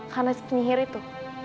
karena si penyihir itu